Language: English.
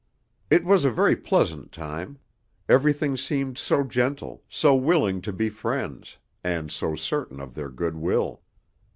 It was a very pleasant time. Everything seemed so gentle, so willing to be friends, and so certain of their good will.